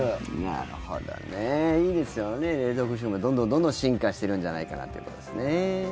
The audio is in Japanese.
なるほどねいいですよね、冷凍食品もどんどん進化してるんじゃないかなっていうことですね。